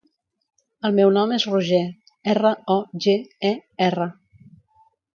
El meu nom és Roger: erra, o, ge, e, erra.